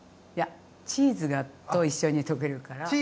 いやチーズと一緒に溶けるから。